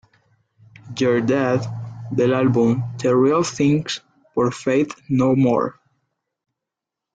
You're Dead" del álbum "The Real Thing", por Faith No More.